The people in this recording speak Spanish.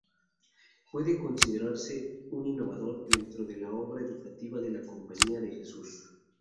Puede considerarse un innovador dentro de la obra educativa de la Compañía de Jesús.